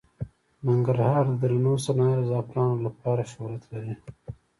ننګرهار د درنو صنایعو لکه زعفرانو لپاره شهرت لري.